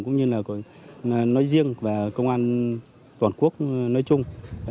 cũng như là nói riêng và công an toàn quốc nói chung